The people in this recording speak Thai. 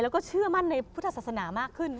แล้วก็เชื่อมั่นในพุทธศาสนามากขึ้น